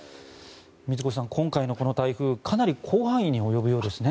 水越さん、今回の台風かなり広範囲に及ぶようですね。